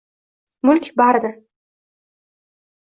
Mulk — baridan